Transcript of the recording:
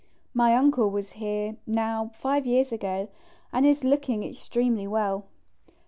My Uncle was here, now 5 years ago, and is looking extremely well.